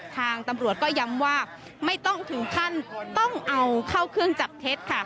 ทางตำรวจก็ย้ำว่าไม่ต้องถึงขั้นต้องเอาเข้าเครื่องจับเท็จค่ะ